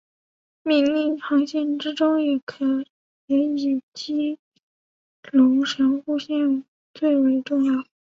命令航路之中也以基隆神户线最为重要。